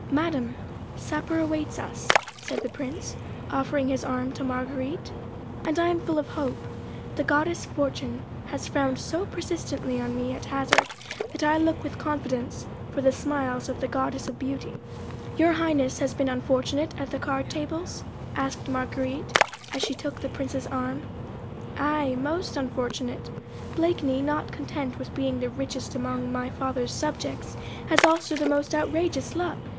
"Madame, supper awaits us," said the Prince, offering his arm to Marguerite, "and I am full of hope. The goddess Fortune has frowned so persistently on me at hazard, that I look with confidence for the smiles of the goddess of Beauty." "Your Highness has been unfortunate at the card tables?" asked Marguerite, as she took the Prince's arm. "Aye! most unfortunate. Blakeney, not content with being the richest among my father's subjects, has also the most outrageous luck.